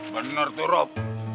bener tuh rob